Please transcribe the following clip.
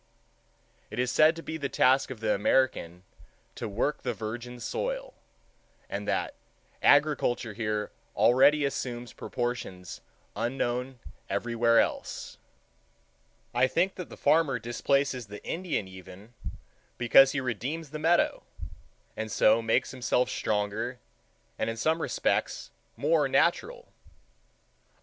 It is said to be the task of the American "to work the virgin soil," and that "agriculture here already assumes proportions unknown everywhere else." I think that the farmer displaces the Indian even because he redeems the meadow, and so makes himself stronger and in some respects more natural.